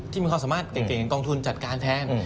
มีความสามารถเก่งกองทุนจัดการแทน